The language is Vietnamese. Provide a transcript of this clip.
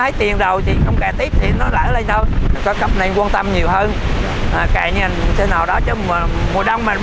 các khu vực này quan tâm nhiều hơn kể như thế nào đó chứ mùa đông